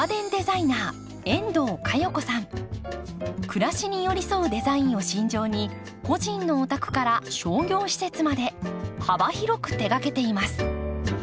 「暮らしに寄り添うデザイン」を信条に個人のお宅から商業施設まで幅広く手がけています。